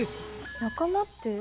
仲間って？